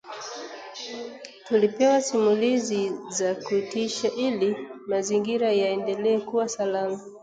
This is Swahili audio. Tulipewa simulizi za kutisha ili mazingira yaendelee kuwa salama